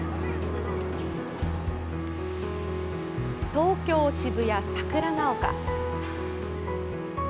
東京・渋谷、桜丘。